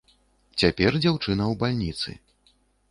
Цяпер дзяўчына ў бальніцы.